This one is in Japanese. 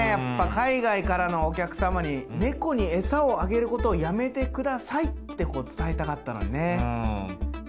海外からのお客様に「猫に餌をあげることをやめてください」ってこう伝えたかったのにね。